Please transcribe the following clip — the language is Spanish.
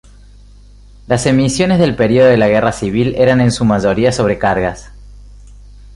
Las emisiones del período de la Guerra Civil eran en su mayoría sobrecargas.